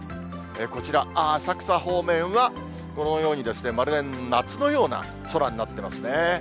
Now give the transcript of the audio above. こちら、浅草方面は、このようにまるで夏のような空になってますね。